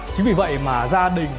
chính vì vậy mà gia đình